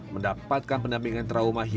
mendapatkan penampingan trauma hilir